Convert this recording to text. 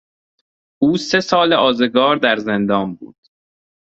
او سه سال آزگار در زندان بود.